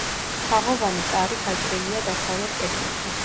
თაღოვანი კარი გაჭრილია დასავლეთ კედელში.